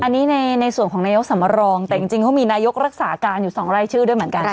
อันนี้ในส่วนของนายกสำรองแต่จริงเขามีนายกรักษาการอยู่๒รายชื่อด้วยเหมือนกัน